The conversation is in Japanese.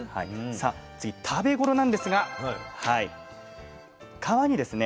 さあ次食べ頃なんですが皮にですね